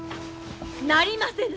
なりませぬ！